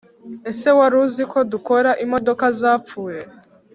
Ese waru uziko dukora imodoka zapfuye